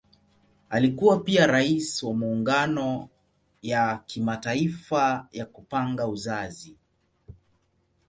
Alikuwa pia Rais wa Muungano ya Kimataifa ya Kupanga Uzazi.